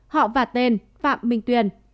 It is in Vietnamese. họ và tên phạm minh tuyên